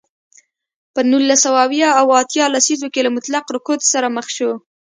په نولس سوه اویا او اتیا لسیزو کې له مطلق رکود سره مخ شو.